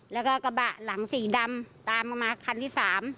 แล้วก็กระบะหลังสีดำตามมาคันที่๓